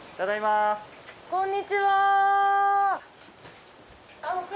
こんにちは。